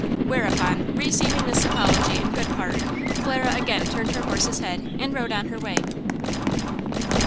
Whereupon, receiving this apology in good part, Clara again turned her horse's head and rode on her way.